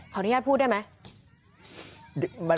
อนุญาตพูดได้ไหม